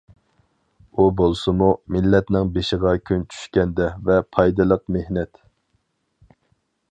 ئۇ بولسىمۇ،« مىللەتنىڭ بېشىغا كۈن چۈشكەندە» ۋە« پايدىلىق مېھنەت».